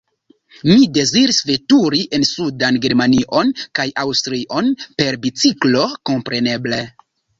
Mi deziris veturi en sudan Germanion kaj Aŭstrion, per biciklo, kompreneble.